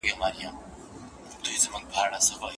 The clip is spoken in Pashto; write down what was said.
موږ بايد د کتاب مينه له کوچنيوالي څخه په زړونو کي ژوندۍ وساتو.